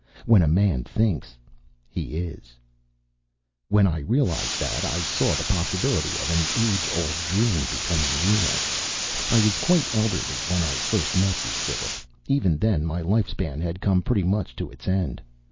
When a man thinks, he is. "When I realized that, I saw the possibility of an age old dream becoming real. I was quite elderly when I first met you, Philip. Even then my life span had come pretty much to its end.